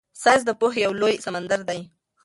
ساینس د پوهې یو لوی سمندر دی.